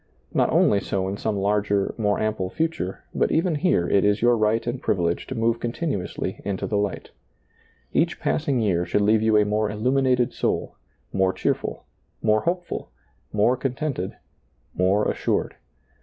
Not only so in some larger, more ample future, but even here it is your right and privilege to move continuously ^lailizccbvGoOgle A NEW YEAR SERMON 95 into the light Each passing year should leave you a more illuminated soul, more cheerful, more hopeful, more contented, more assured.